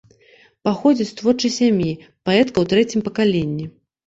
Паходзіць з творчай сям'і, паэтка ў трэцім пакаленні.